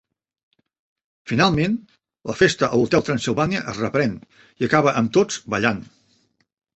Finalment, la festa a l'Hotel Transsilvània es reprèn i acaba amb tots ballant.